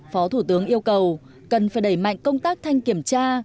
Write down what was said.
phó thủ tướng yêu cầu cần phải đẩy mạnh công tác thanh kiểm tra